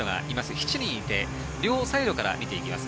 ７人いて両サイドから見ています。